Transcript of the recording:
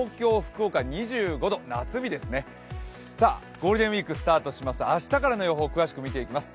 ゴールデンウイークがスタートします、明日からの予報を詳しく見ていきます。